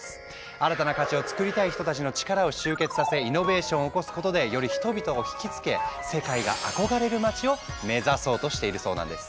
新たな価値を作りたい人たちの力を集結させイノベーションを起こすことでより人々を引きつけ目指そうとしているそうなんです。